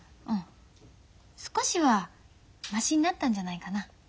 少しはマシになったんじゃないかな。